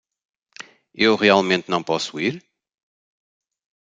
Eu realmente não posso ir?